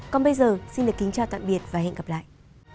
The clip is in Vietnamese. còn bây giờ xin được kính chào tạm biệt và hẹn gặp lại